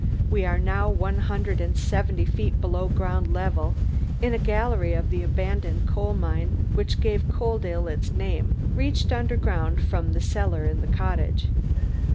We are now one hundred and seventy feet below ground level, in a gallery of the abandoned coal mine which gave Coaldale its name, reached underground from the cellar in the cottage.